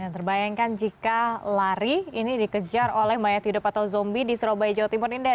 terbayangkan jika lari ini dikejar oleh mayat hidup atau zombie di surabaya jawa timur ini